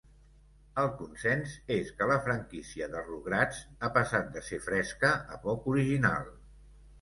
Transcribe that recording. El consens és que la franquícia de "Rugrats" ha passat de ser fresca a poc original.